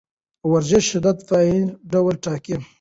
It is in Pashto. د ورزش شدت د فایبر ډول ټاکي.